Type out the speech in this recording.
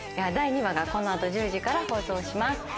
第２話がこの後１０時から放送します。